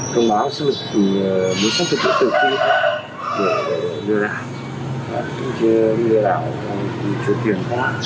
công báo sử dụng bốn sách thực tế tự nhiên để lừa đảo lừa đảo cho tiền